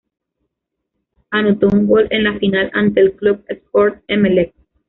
Anotó un gol en la final ante Club Sport Emelec.